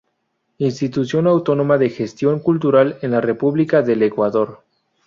Institución autónoma de gestión cultural en la República del Ecuador.